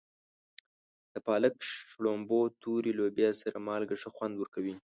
د پالک، شړومبو، تورې لوبیا سره مالګه ښه خوند ورکوي.